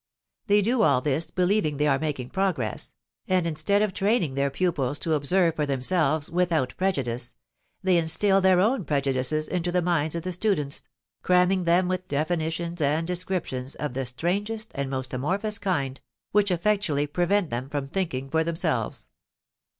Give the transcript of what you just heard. They do all this believing they are making progress, and instead of training their pupils to observe for themselves without prejudice, they instil their own prejudices into the minds of the students, cramming them with definitions and descriptions of the strangest and most amorphous kind, which effectually prevent them from thinking for themselves.